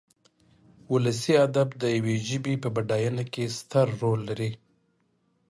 ولسي ادب د يوې ژبې په بډاينه کې ستر رول لري.